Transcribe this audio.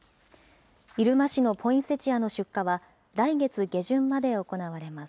入間市のポインセチアの出荷は、来月下旬まで行われます。